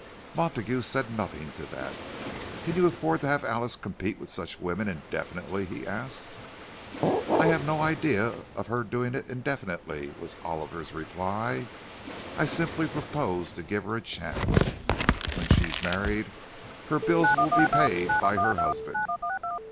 Montague said nothing to that. "Can you afford to have Alice compete with such women indefinitely?" he asked. "I have no idea of her doing it indefinitely," was Oliver's reply. "I simply propose to give her a chance. When she's married, her bills will be paid by her husband."